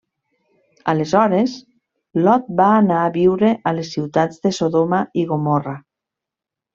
Aleshores, Lot va anar a viure a les ciutats de Sodoma i Gomorra.